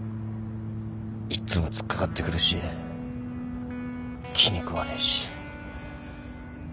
いっつも突っ掛かってくるし気に食わねえし。